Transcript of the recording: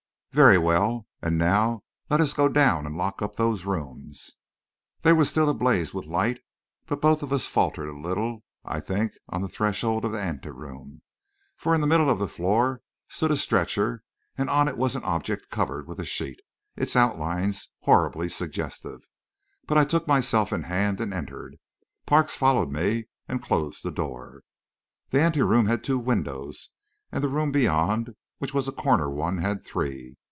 "Very well. And now let us go down and lock up those rooms." They were still ablaze with light; but both of us faltered a little, I think, on the threshold of the ante room. For in the middle of the floor stood a stretcher, and on it was an object covered with a sheet, its outlines horribly suggestive. But I took myself in hand and entered. Parks followed me and closed the door. The ante room had two windows, and the room beyond, which was a corner one, had three.